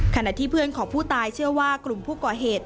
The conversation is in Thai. ขณะที่เพื่อนของผู้ตายเชื่อว่ากลุ่มผู้ก่อเหตุ